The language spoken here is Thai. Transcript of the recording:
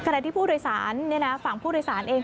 แต่ที่ผู้โดยสารเนี่ยนะฝั่งผู้โดยสารเอง